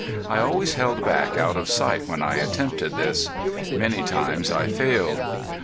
I always held back out of sight when I attempted this. Many times I failed.